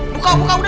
buka buka udah buka